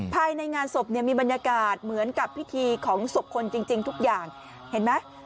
ภายในงานศพเนี่ยมีบรรยากาศเหมือนกับพิธีของศพคนจริงทุกอย่างเห็นไหม